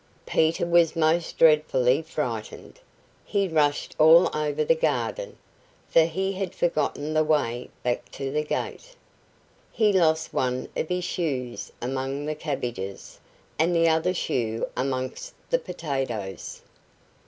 Peter was most dreadfully frightened; he rushed all over the garden, for he had forgotten the way back to the gate. He lost one of his shoes among the cabbages, and the other shoe amongst the potatoes.